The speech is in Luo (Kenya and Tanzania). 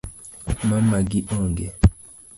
Mamagi onge